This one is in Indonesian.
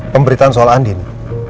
pemberitaan soal andi nih